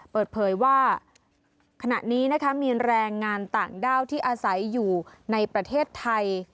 เปิดเผยว่าขณะนี้นะคะมีแรงงานต่างด้าวที่อาศัยอยู่ในประเทศไทย